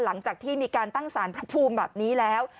หลังจากที่มีการตั้งสารพระภูมิแบบนี้แล้ว